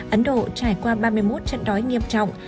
ấn độ trải qua ba mươi một trận đói nghiêm trọng